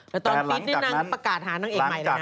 แต่ตอนพิษนี่นางประกาศหานั่งเองใหม่เลยนะ